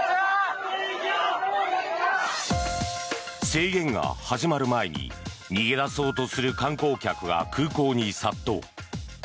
制限が始まる前に逃げ出そうとする観光客が空港に殺到。